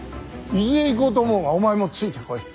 伊豆へ行こうと思うがお前もついてこい。